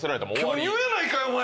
「巨乳やないかい！お前！」